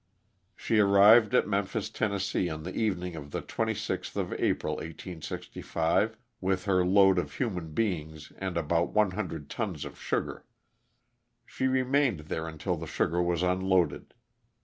She arrived at Memphis, Tenn., on the evening of the 26th of April, 1865, with her load of human beings and about one hundred tons of sugar. She remained there until the sugar was unloaded.